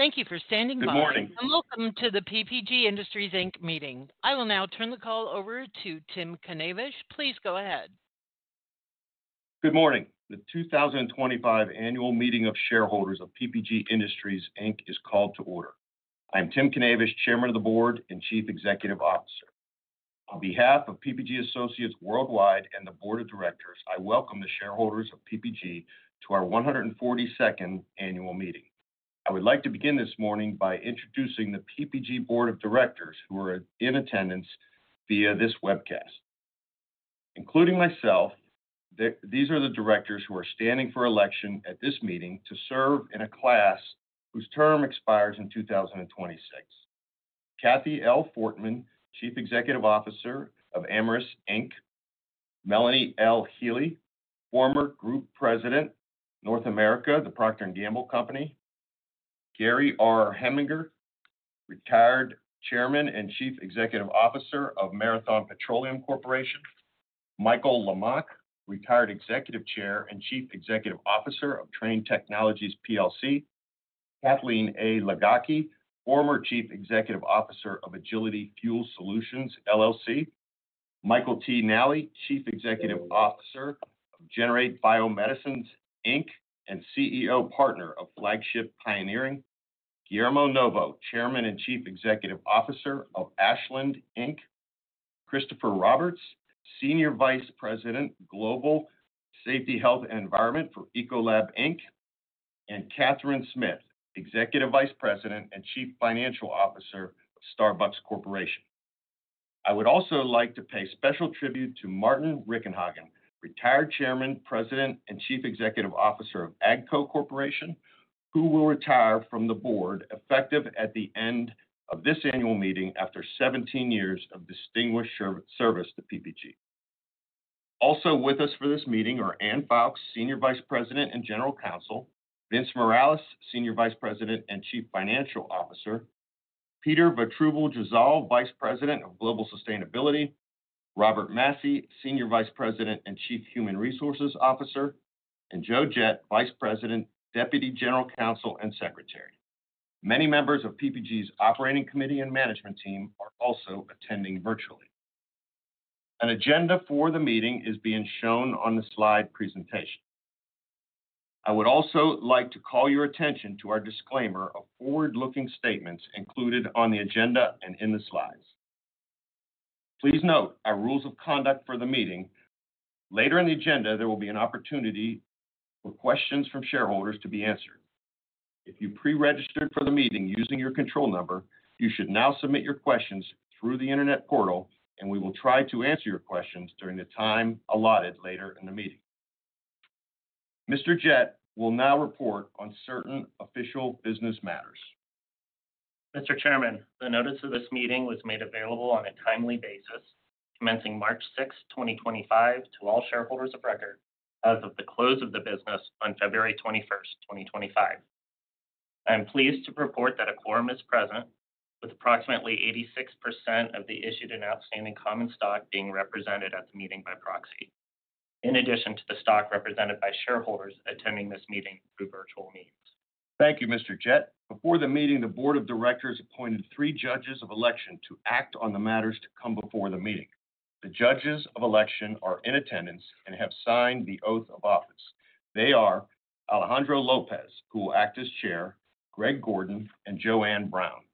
Thank you for standing by. Good morning. Welcome to the PPG Industries meeting. I will now turn the call over to Tim Knavish. Please go ahead. Good morning. The 2025 Annual Meeting of Shareholders of PPG Industries is called to order. I am Tim Knavish, Chairman of the Board and Chief Executive Officer. On behalf of PPG Associates Worldwide and the Board of Directors, I welcome the shareholders of PPG to our 142nd Annual Meeting. I would like to begin this morning by introducing the PPG Board of Directors who are in attendance via this webcast. Including myself, these are the directors who are standing for election at this meeting to serve in a class whose term expires in 2026: Kathy L. Fortmann, Chief Executive Officer of Amyris; Melanie L. Healey, former Group President, North America the Procter & Gamble Company; Gary R. Heminger, retired Chairman and Chief Executive Officer of Marathon Petroleum Corporation; Michael Lamach, retired Executive Chair and Chief Executive Officer of Trane Technologies; Kathleen A. Ligocki, former Chief Executive Officer of Agility Fuel Solutions; Michael T. Nally, Chief Executive Officer of Generate Biomedicines and CEO Partner of Flagship Pioneering; Guillermo Novo, Chairman and Chief Executive Officer of Ashland; Christopher Roberts, Senior Vice President, Global Safety, Health, and Environment for Ecolab; and Catherine Smith, Executive Vice President and Chief Financial Officer of Starbucks Corporation. I would also like to pay special tribute to Martin Richenhagen, retired Chairman, President, and Chief Executive Officer of AGCO Corporation, who will retire from the Board effective at the end of this Annual Meeting after 17 years of distinguished service to PPG. Also with us for this meeting are Anne Foulkes, Senior Vice President and General Counsel, Vince Morales, Senior Vice President and Chief Financial Officer, Peter Votruba-Drzal, Vice President of Global Sustainability, Robert Massy, Senior Vice President and Chief Human Resources Officer, and Joe Gette, Vice President, Deputy General Counsel and Secretary. Many members of PPG's Operating Committee and Management Team are also attending virtually. An agenda for the meeting is being shown on the slide presentation. I would also like to call your attention to our disclaimer of forward-looking statements included on the agenda and in the slides. Please note our rules of conduct for the meeting. Later in the agenda, there will be an opportunity for questions from shareholders to be answered. If you pre-registered for the meeting using your control number, you should now submit your questions through the Internet portal, and we will try to answer your questions during the time allotted later in the meeting. Mr. Gette will now report on certain official business matters. Mr. Chairman, the notice of this meeting was made available on a timely basis, commencing March 6, 2025, to all shareholders of record as of the close of business on February 21, 2025. I am pleased to report that a quorum is present, with approximately 86% of the issued and outstanding common stock being represented at the meeting by proxy, in addition to the stock represented by shareholders attending this meeting through virtual means. Thank you, Mr. Gette. Before the meeting, the Board of Directors appointed three judges of election to act on the matters to come before the meeting. The judges of election are in attendance and have signed the oath of office. They are Alejandro Lopez, who will act as Chair, Greg Gordon, and Joanne Brown.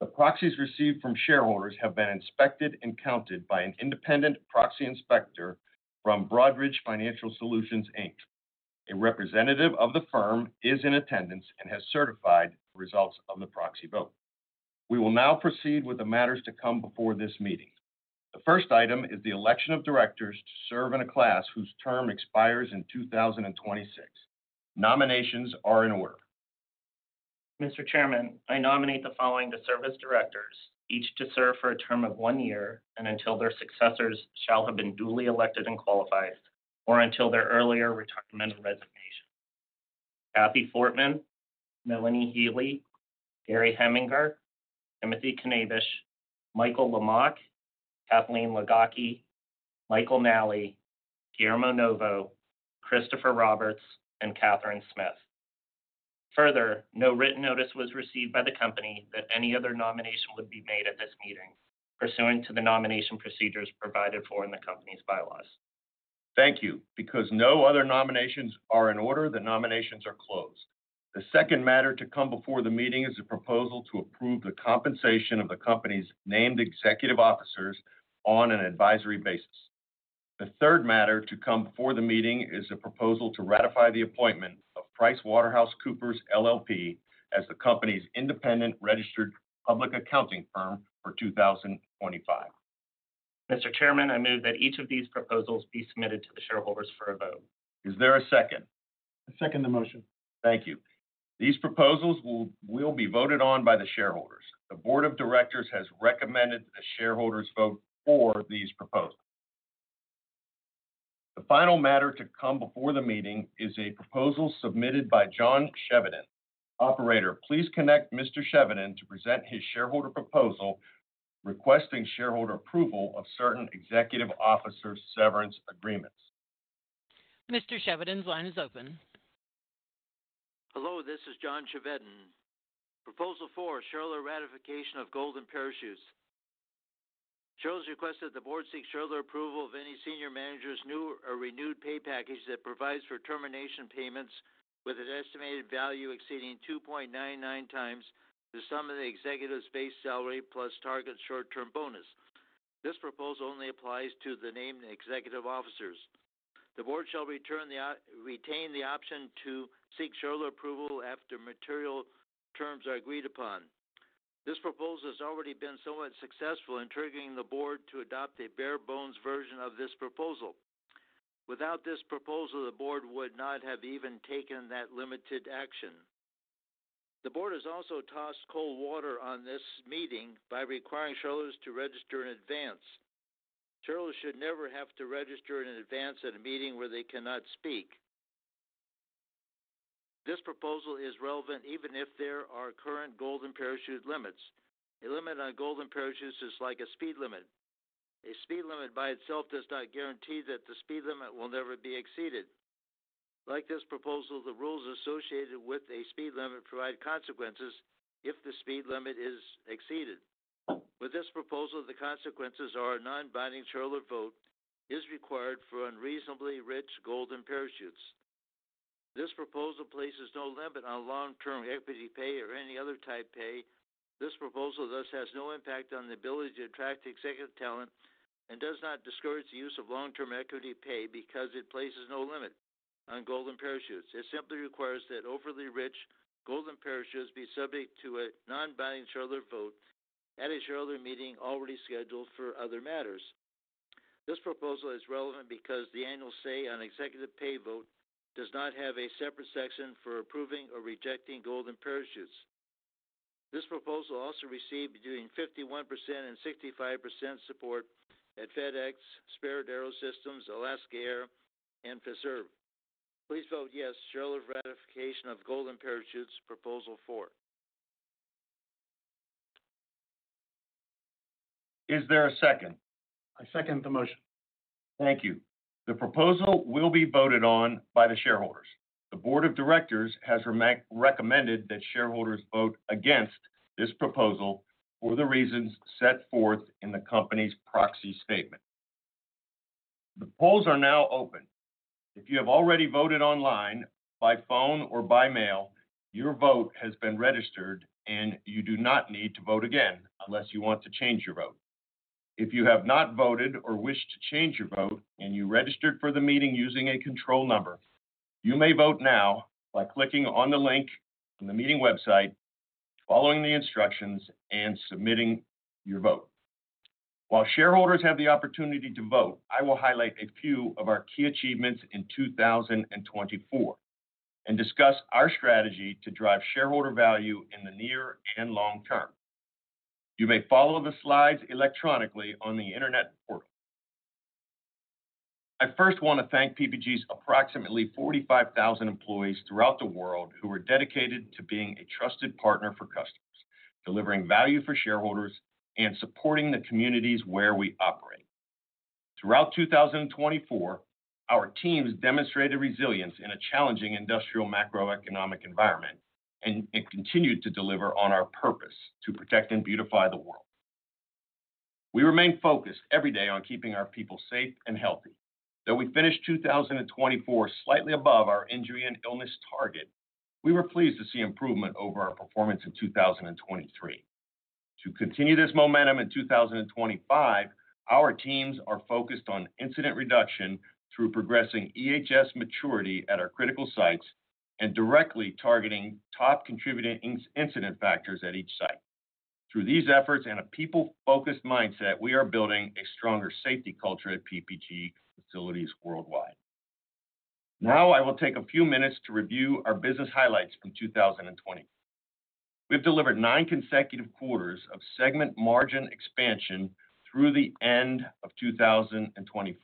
The proxies received from shareholders have been inspected and counted by an independent proxy inspector from Broadridge Financial Solutions. A representative of the firm is in attendance and has certified the results of the proxy vote. We will now proceed with the matters to come before this meeting. The first item is the election of directors to serve in a class whose term expires in 2026. Nominations are in order. Mr. Chairman, I nominate the following to serve as directors, each to serve for a term of one year and until their successors shall have been duly elected and qualified, or until their earlier retirement or resignation: Kathy L. Fortmann, Melanie L. Healey, Gary R. Heminger, Timothy Knavish, Michael Lamach, Kathleen A. Ligocki, Michael T. Nally, Guillermo Novo, Christopher Roberts, and Catherine Smith. Further, no written notice was received by the company that any other nomination would be made at this meeting, pursuant to the nomination procedures provided for in the company's bylaws. Thank you. Because no other nominations are in order, the nominations are closed. The second matter to come before the meeting is a proposal to approve the compensation of the company's named executive officers on an advisory basis. The third matter to come before the meeting is a proposal to ratify the appointment of PricewaterhouseCoopers LLP as the company's independent registered public accounting firm for 2025. Mr. Chairman, I move that each of these proposals be submitted to the shareholders for a vote. Is there a second? I second the motion. Thank you. These proposals will be voted on by the shareholders. The Board of Directors has recommended the shareholders vote for these proposals. The final matter to come before the meeting is a proposal submitted by John Chevedden. Operator, please connect Mr. Chevedden to present his shareholder proposal requesting shareholder approval of certain executive officer severance agreements. Mr. Chevedden's line is open. Hello, this is John Chevedden. Proposal 4: Shareholder ratification of Golden Parachutes. Shareholders request that the Board seek shareholder approval of any senior manager's new or renewed pay package that provides for termination payments with an estimated value exceeding 2.99 times the sum of the executive's base salary plus target short-term bonus. This proposal only applies to the named executive officers. The Board shall retain the option to seek shareholder approval after material terms are agreed upon. This proposal has already been somewhat successful in triggering the Board to adopt a bare-bones version of this proposal. Without this proposal, the Board would not have even taken that limited action. The Board has also tossed cold water on this meeting by requiring shareholders to register in advance. Shareholders should never have to register in advance at a meeting where they cannot speak. This proposal is relevant even if there are current Golden Parachute limits. A limit on Golden Parachutes is like a speed limit. A speed limit by itself does not guarantee that the speed limit will never be exceeded. Like this proposal, the rules associated with a speed limit provide consequences if the speed limit is exceeded. With this proposal, the consequences are a non-binding shareholder vote is required for unreasonably rich Golden Parachutes. This proposal places no limit on long-term equity pay or any other type pay. This proposal thus has no impact on the ability to attract executive talent and does not discourage the use of long-term equity pay because it places no limit on Golden Parachutes. It simply requires that overly rich Golden Parachutes be subject to a non-binding shareholder vote at a shareholder meeting already scheduled for other matters. This proposal is relevant because the annual say on executive pay vote does not have a separate section for approving or rejecting Golden Parachutes. This proposal also received between 51% and 65% support at FedEx, Spirit AeroSystems, Alaska Air, and Fiserv. Please vote yes to shareholder ratification of Golden Parachutes Proposal 4. Is there a second? I second the motion. Thank you. The proposal will be voted on by the shareholders. The Board of Directors has recommended that shareholders vote against this proposal for the reasons set forth in the company's proxy statement. The polls are now open. If you have already voted online, by phone, or by mail, your vote has been registered, and you do not need to vote again unless you want to change your vote. If you have not voted or wish to change your vote and you registered for the meeting using a control number, you may vote now by clicking on the link on the meeting website, following the instructions, and submitting your vote. While shareholders have the opportunity to vote, I will highlight a few of our key achievements in 2024 and discuss our strategy to drive shareholder value in the near and long term. You may follow the slides electronically on the Internet portal. I first want to thank PPG's approximately 45,000 employees throughout the world who are dedicated to being a trusted partner for customers, delivering value for shareholders, and supporting the communities where we operate. Throughout 2024, our teams demonstrated resilience in a challenging industrial macroeconomic environment and continued to deliver on our purpose to protect and beautify the world. We remain focused every day on keeping our people safe and healthy. Though we finished 2024 slightly above our injury and illness target, we were pleased to see improvement over our performance in 2023. To continue this momentum in 2025, our teams are focused on incident reduction through progressing EHS maturity at our critical sites and directly targeting top contributing incident factors at each site. Through these efforts and a people-focused mindset, we are building a stronger safety culture at PPG facilities worldwide. Now, I will take a few minutes to review our business highlights from 2020. We have delivered nine consecutive quarters of segment margin expansion through the end of 2024.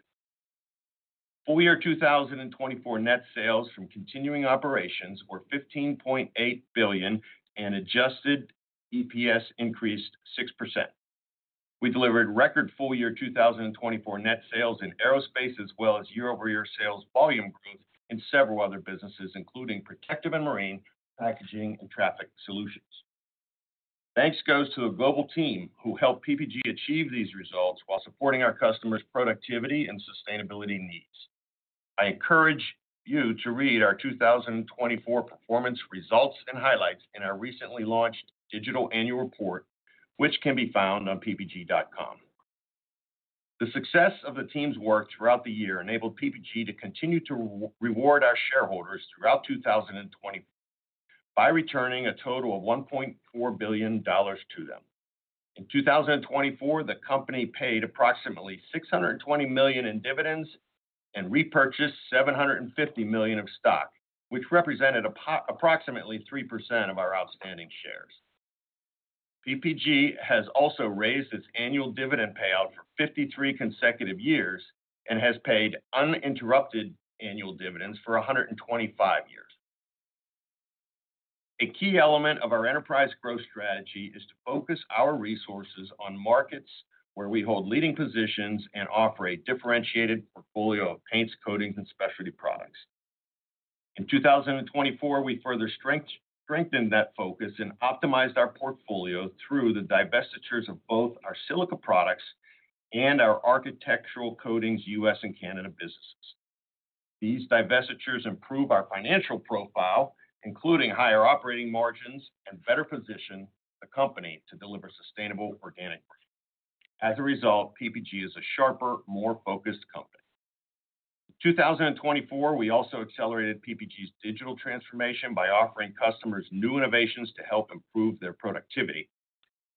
Full year 2024 net sales from continuing operations were $15.8 billion, and adjusted EPS increased 6%. We delivered record full year 2024 net sales in aerospace, as well as year-over-year sales volume growth in several other businesses, including protective and marine, packaging, and traffic solutions. Thanks goes to the global team who helped PPG achieve these results while supporting our customers' productivity and sustainability needs. I encourage you to read our 2024 performance results and highlights in our recently launched digital annual report, which can be found on ppg.com. The success of the team's work throughout the year enabled PPG to continue to reward our shareholders throughout 2024 by returning a total of $1.4 billion to them. In 2024, the company paid approximately $620 million in dividends and repurchased $750 million of stock, which represented approximately 3% of our outstanding shares. PPG has also raised its annual dividend payout for 53 consecutive years and has paid uninterrupted annual dividends for 125 years. A key element of our enterprise growth strategy is to focus our resources on markets where we hold leading positions and offer a differentiated portfolio of paints, coatings, and specialty products. In 2024, we further strengthened that focus and optimized our portfolio through the divestitures of both our silica products and our architectural coatings U.S. and Canada businesses. These divestitures improve our financial profile, including higher operating margins and better position the company to deliver sustainable organic growth. As a result, PPG is a sharper, more focused company. In 2024, we also accelerated PPG's digital transformation by offering customers new innovations to help improve their productivity.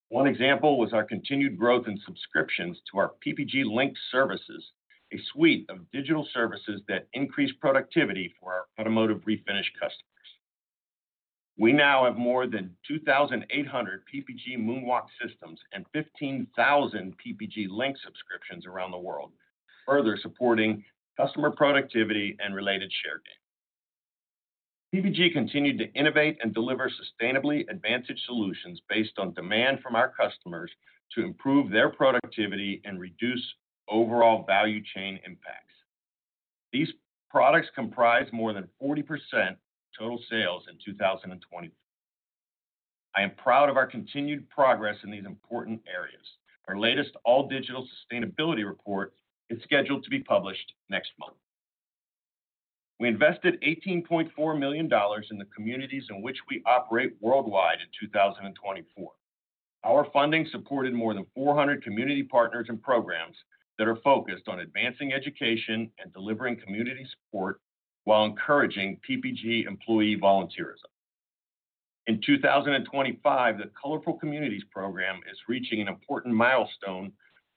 One example was our continued growth in subscriptions to our PPG LINQ Services, a suite of digital services that increase productivity for our automotive refinish customers. We now have more than 2,800 PPG MoonWalk systems and 15,000 PPG LINQ subscriptions around the world, further supporting customer productivity and related share gains. PPG continued to innovate and deliver sustainably advanced solutions based on demand from our customers to improve their productivity and reduce overall value chain impacts. These products comprise more than 40% of total sales in 2024. I am proud of our continued progress in these important areas. Our latest all-digital sustainability report is scheduled to be published next month. We invested $18.4 million in the communities in which we operate worldwide in 2024. Our funding supported more than 400 community partners and programs that are focused on advancing education and delivering community support while encouraging PPG employee volunteerism. In 2025, the Colorful Communities Program is reaching an important milestone,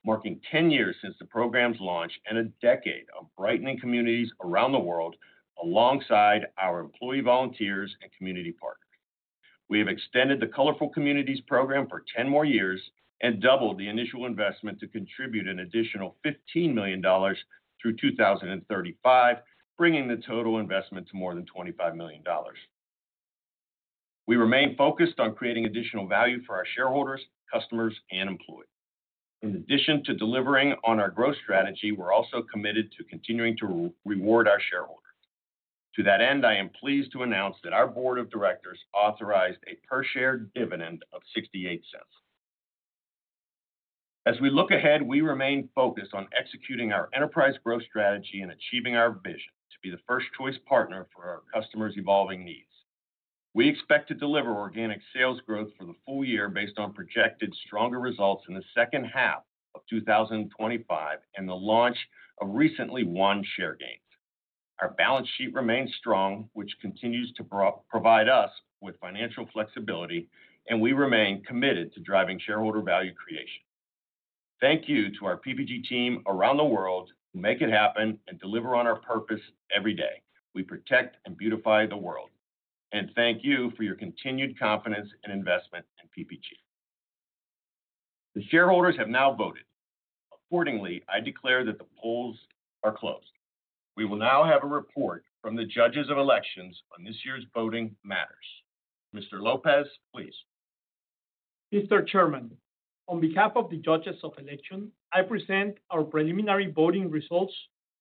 marking 10 years since the program's launch and a decade of brightening communities around the world alongside our employee volunteers and community partners. We have extended the Colorful Communities Program for 10 more years and doubled the initial investment to contribute an additional $15 million through 2035, bringing the total investment to more than $25 million. We remain focused on creating additional value for our shareholders, customers, and employees. In addition to delivering on our growth strategy, we're also committed to continuing to reward our shareholders. To that end, I am pleased to announce that our Board of Directors authorized a per-share dividend of $0.68. As we look ahead, we remain focused on executing our enterprise growth strategy and achieving our vision to be the first-choice partner for our customers' evolving needs. We expect to deliver organic sales growth for the full year based on projected stronger results in the second half of 2025 and the launch of recently won share gains. Our balance sheet remains strong, which continues to provide us with financial flexibility, and we remain committed to driving shareholder value creation. Thank you to our PPG team around the world who make it happen and deliver on our purpose every day. We protect and beautify the world. Thank you for your continued confidence and investment in PPG. The shareholders have now voted. Accordingly, I declare that the polls are closed. We will now have a report from the judges of elections on this year's voting matters. Mr. Lopez, please. Mr. Chairman, on behalf of the judges of election, I present our preliminary voting results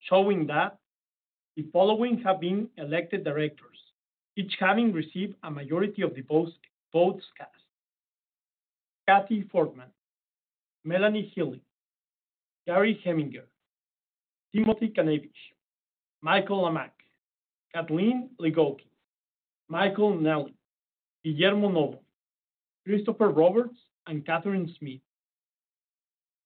showing that the following have been elected directors, each having received a majority of the votes cast: Kathy L. Fortmann, Melanie L. Healey, Gary R. Heminger, Timothy Knavish, Michael Lamach, Kathleen A. Ligocki, Michael T. Nally, Guillermo Novo, Christopher Roberts, and Catherine Smith.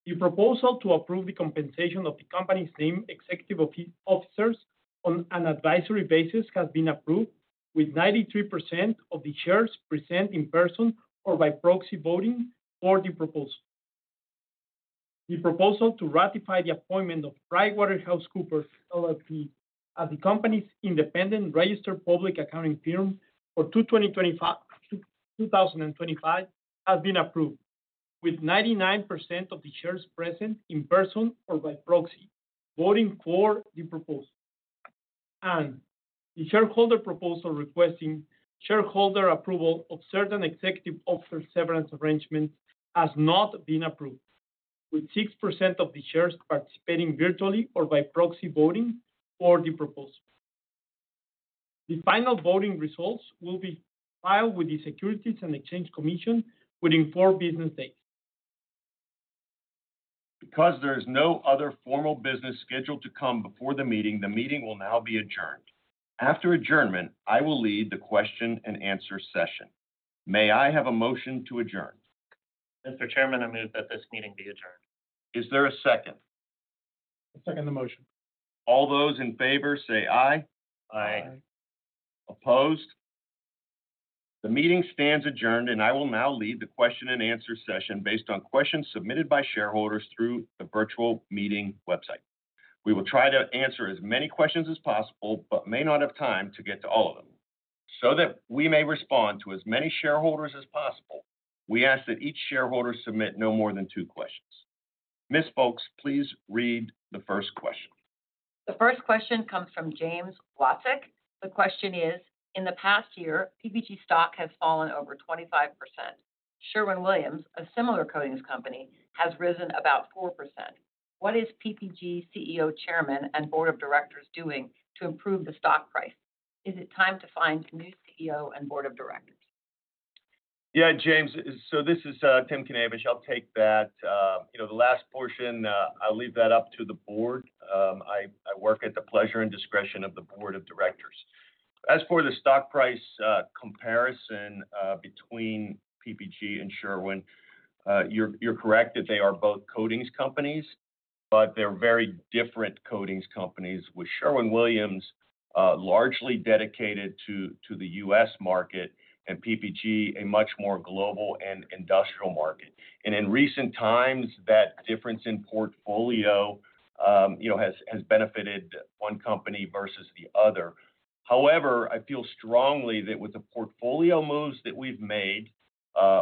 The proposal to approve the compensation of the company's named executive officers on an advisory basis has been approved, with 93% of the shares present in person or by proxy voting for the proposal. The proposal to ratify the appointment of PricewaterhouseCoopers LLP as the company's independent registered public accounting firm for 2025 has been approved, with 99% of the shares present in person or by proxy voting for the proposal. The shareholder proposal requesting shareholder approval of certain executive officer severance arrangements has not been approved, with 6% of the shares participating virtually or by proxy voting for the proposal. The final voting results will be filed with the Securities and Exchange Commission within four business days. Because there is no other formal business scheduled to come before the meeting, the meeting will now be adjourned. After adjournment, I will lead the question and answer session. May I have a motion to adjourn? Mr. Chairman, I move that this meeting be adjourned. Is there a second? I second the motion. All those in favor say aye. Aye. Aye. Opposed? The meeting stands adjourned, and I will now lead the question and answer session based on questions submitted by shareholders through the virtual meeting website. We will try to answer as many questions as possible but may not have time to get to all of them. So that we may respond to as many shareholders as possible, we ask that each shareholder submit no more than two questions. Ms. Foulkes, please read the first question. The first question comes from James Wacek. The question is, in the past year, PPG stock has fallen over 25%. Sherwin-Williams, a similar coatings company, has risen about 4%. What is PPG CEO, Chairman, and Board of Directors doing to improve the stock price? Is it time to find a new CEO and Board of Directors? Yeah, James, this is Tim Knavish. I'll take that. You know, the last portion, I'll leave that up to the board. I work at the pleasure and discretion of the Board of Directors. As for the stock price comparison between PPG and Sherwin, you're correct that they are both coatings companies, but they're very different coatings companies, with Sherwin-Williams largely dedicated to the U.S. market and PPG a much more global and industrial market. In recent times, that difference in portfolio, you know, has benefited one company versus the other. However, I feel strongly that with the portfolio moves that we've made,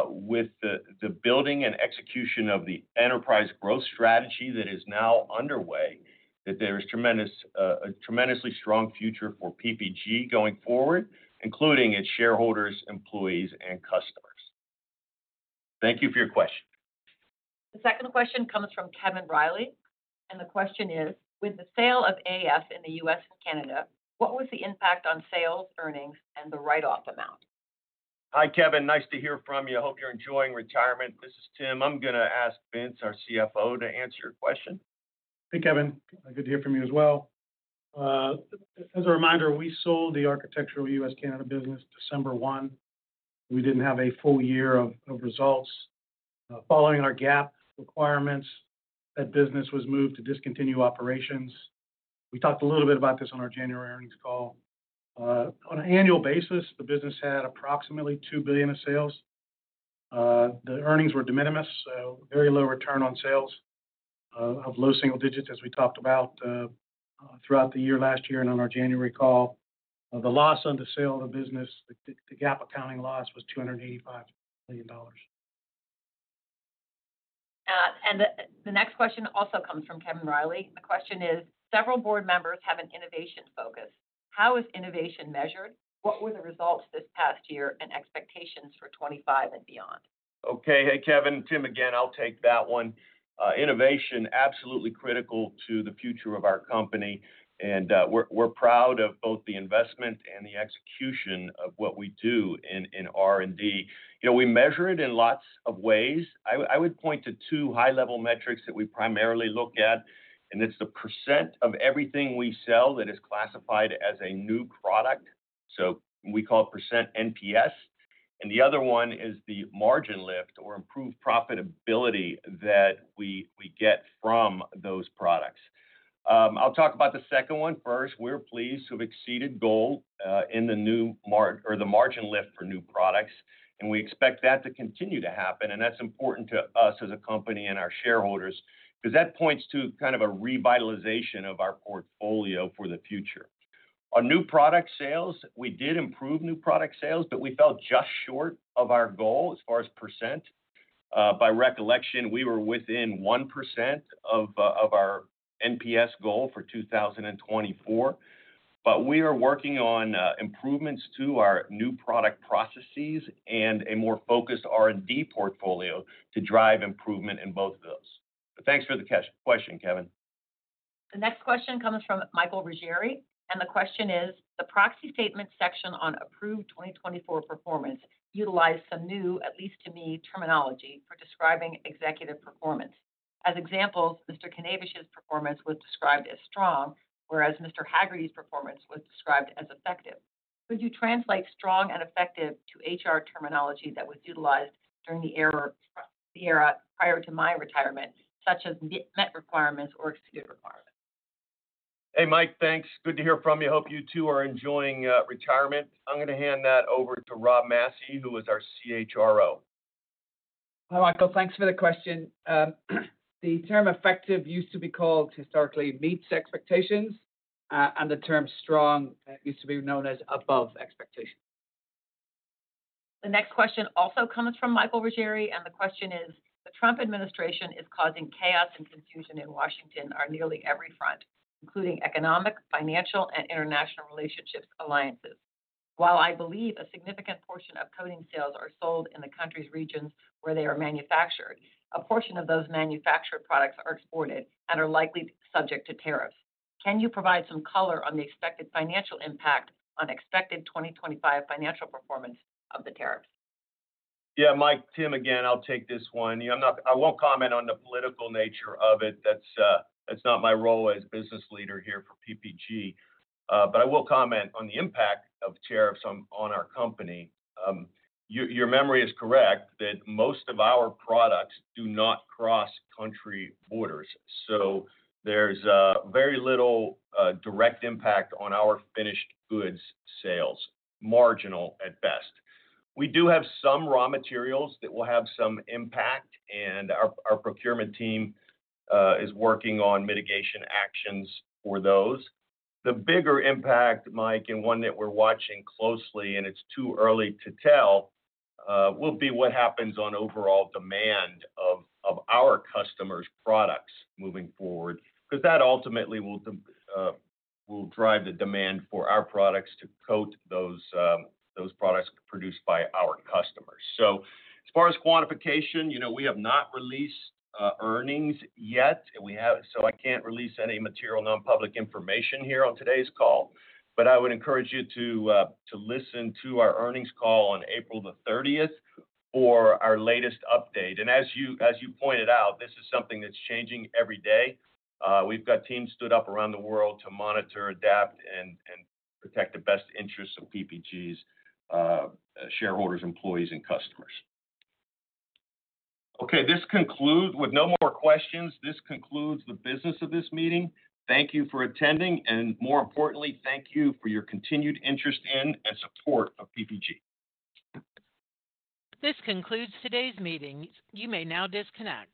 with the building and execution of the enterprise growth strategy that is now underway, there is a tremendously strong future for PPG going forward, including its shareholders, employees, and customers. Thank you for your question. The second question comes from Kevin Riley, and the question is, with the sale of AF in the U.S. and Canada, what was the impact on sales, earnings, and the write-off amount? Hi, Kevin. Nice to hear from you. I hope you're enjoying retirement. This is Tim. I'm going to ask Vince, our CFO, to answer your question. Hey, Kevin. Good to hear from you as well. As a reminder, we sold the architectural U.S.-Canada business December 1. We did not have a full year of results. Following our GAAP requirements, that business was moved to discontinued operations. We talked a little bit about this on our January earnings call. On an annual basis, the business had approximately $2 billion in sales. The earnings were de minimis, so very low return on sales, of low single digits, as we talked about throughout the year last year and on our January call. The loss on the sale of the business, the GAAP accounting loss, was $285 million. The next question also comes from Kevin Riley. The question is, several board members have an innovation focus. How is innovation measured? What were the results this past year and expectations for 2025 and beyond? Okay. Hey, Kevin. Tim again. I'll take that one. Innovation, absolutely critical to the future of our company. And we're proud of both the investment and the execution of what we do in R&D. You know, we measure it in lots of ways. I would point to two high-level metrics that we primarily look at, and it's the % of everything we sell that is classified as a new product. So we call it % NPS. And the other one is the margin lift or improved profitability that we get from those products. I'll talk about the second one first. We're pleased to have exceeded goal in the new margin lift for new products. And we expect that to continue to happen. And that's important to us as a company and our shareholders because that points to kind of a revitalization of our portfolio for the future. On new product sales, we did improve new product sales, but we fell just short of our goal as far as percent. By recollection, we were within 1% of our NPS goal for 2024. We are working on improvements to our new product processes and a more focused R&D portfolio to drive improvement in both of those. Thanks for the question, Kevin. The next question comes from Michael Ruggieri. The question is, the proxy statement section on approved 2024 performance utilized some new, at least to me, terminology for describing executive performance. As examples, Mr. Knavish's performance was described as strong, whereas Mr. McGarry's performance was described as effective. Could you translate strong and effective to HR terminology that was utilized during the era prior to my retirement, such as MET requirements or exceeded requirements? Hey, Mike, thanks. Good to hear from you. I hope you too are enjoying retirement. I'm going to hand that over to Rob Massy, who is our CHRO. Hi, Michael. Thanks for the question. The term effective used to be called historically meets expectations, and the term strong used to be known as above expectations. The next question also comes from Michael Ruggieri. The question is, the Trump administration is causing chaos and confusion in Washington on nearly every front, including economic, financial, and international relationships alliances. While I believe a significant portion of coating sales are sold in the country's regions where they are manufactured, a portion of those manufactured products are exported and are likely subject to tariffs. Can you provide some color on the expected financial impact on expected 2025 financial performance of the tariffs? Yeah, Mike, Tim again. I'll take this one. I won't comment on the political nature of it. That's not my role as business leader here for PPG. But I will comment on the impact of tariffs on our company. Your memory is correct that most of our products do not cross country borders. So there's very little direct impact on our finished goods sales, marginal at best. We do have some raw materials that will have some impact, and our procurement team is working on mitigation actions for those. The bigger impact, Mike, and one that we're watching closely, and it's too early to tell, will be what happens on overall demand of our customers' products moving forward because that ultimately will drive the demand for our products to coat those products produced by our customers. As far as quantification, you know, we have not released earnings yet. I can't release any material nonpublic information here on today's call. I would encourage you to listen to our earnings call on April the 30th for our latest update. As you pointed out, this is something that's changing every day. We've got teams stood up around the world to monitor, adapt, and protect the best interests of PPG's shareholders, employees, and customers. Okay. This concludes with no more questions. This concludes the business of this meeting. Thank you for attending. More importantly, thank you for your continued interest in and support of PPG. This concludes today's meeting. You may now disconnect.